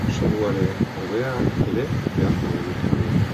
Software hobea ere beharko genuke agian.